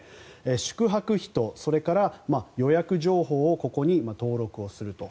宿泊費と、それから予約情報をここに登録をすると。